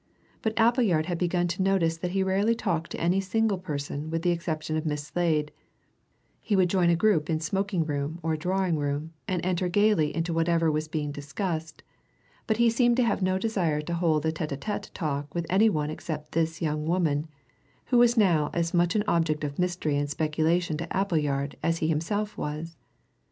But Appleyard had begun to notice that he rarely talked to any single person with the exception of Miss Slade he would join a group in smoking room or drawing room and enter gaily into whatever was being discussed, but he seemed to have no desire to hold a tête a tête talk with any one except this young woman, who was now as much an object of mystery and speculation to Appleyard as he himself was.